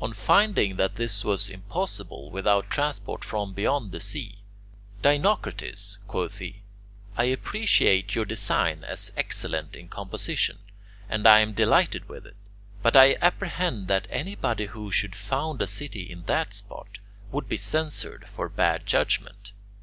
On finding that this was impossible without transport from beyond the sea, "Dinocrates," quoth he, "I appreciate your design as excellent in composition, and I am delighted with it, but I apprehend that anybody who should found a city in that spot would be censured for bad judgement.